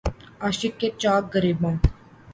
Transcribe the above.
عاشق کے چاک گریباں